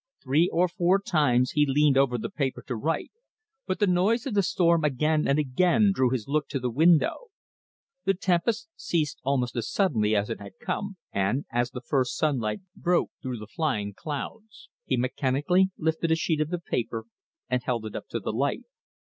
Three or four times he leaned over the paper to write, but the noise of the storm again and again drew his look to the window. The tempest ceased almost as suddenly as it had come, and, as the first sunlight broke through the flying clouds, he mechanically lifted a sheet of the paper and held it up to the light.